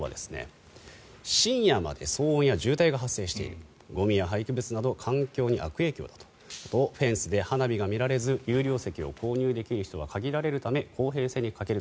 自治会の青木会長は、深夜まで騒音や渋滞が発生しているゴミや廃棄物など環境に悪影響だとフェンスで花火が見られず有料席を購入できる人は限られるため公平性に欠ける。